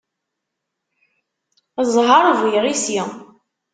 Ẓẓher bu iɣisi.